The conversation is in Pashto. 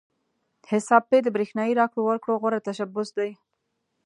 حساب پې د برېښنايي راکړو ورکړو غوره تشبث دی.